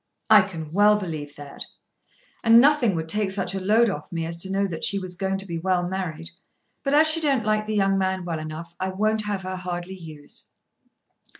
"I can well believe that." "And nothing would take such a load off me as to know that she was going to be well married. But as she don't like the young man well enough, I won't have her hardly used."